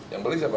yang beli siapa